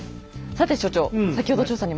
さて所長。